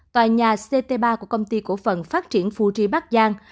tòa nhà ct ba của công ty cổ phần phát triển phu tri bắc giang